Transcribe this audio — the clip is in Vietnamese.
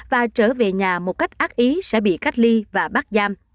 và trở về nhà một cách ác ý sẽ bị cách ly và bắt giam